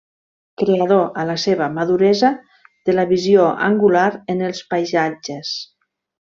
Creador, a la seva maduresa, de la visió angular en els paisatges.